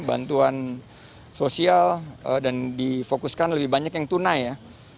bantuan sosial dan difokuskan lebih banyak yang tunai ya